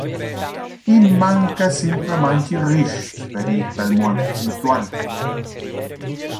«I’m manca simplamaing il ris-ch per ir pel muond intuorn.